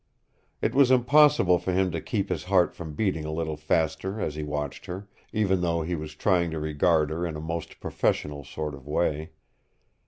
It was impossible for him to keep his heart from beating a little faster as he watched her, even though he was trying to regard her in a most professional sort of way.